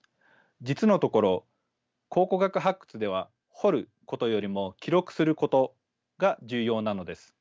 実のところ考古学発掘では掘ることよりも記録することが重要なのです。